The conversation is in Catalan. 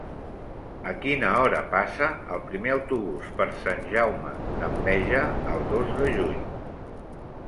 A quina hora passa el primer autobús per Sant Jaume d'Enveja el dos de juny?